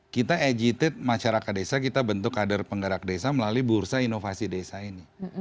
kita agitate masyarakat desa kita bentuk kader penggerak desa melalui bursa inovasi desa ini